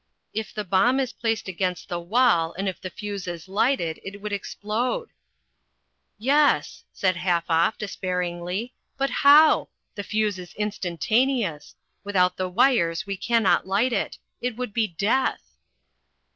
"If the bomb is placed against the wall and if the fuse is lighted it would explode." "Yes," said Halfoff despairingly, "but how? The fuse is instantaneous. Without the wires we cannot light it. It would be death."